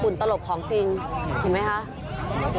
ตลบของจริงเห็นไหมคะ